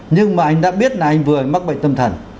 nhưng mà anh đã biết là anh vừa mắc bệnh tâm thần